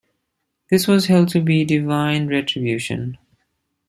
This was held to be divine retribution.